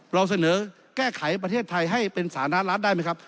เราเสนอแก้ไขประเทศไทยให้เป็นสาธารณรัฐได้ไหมครับ